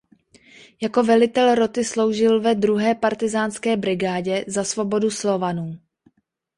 Jako velitel roty sloužil ve Druhé partyzánské brigádě „Za svobodu Slovanů“.